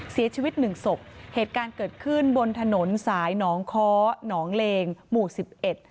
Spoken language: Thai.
เสียชีวิตหนึ่งศพเหตุการณ์เกิดขึ้นบนถนนสายหนองค้อหนองเลงหมู่สิบเอ็ด